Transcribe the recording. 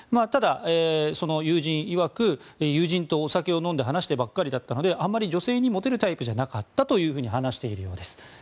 ただ、その友人いわく友人とお酒を飲んで話してばかりだったのであまり女性にモテるタイプではなかったと話しているようです。